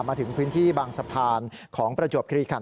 มาถึงพื้นที่บางสะพานของประจบกิริขันต์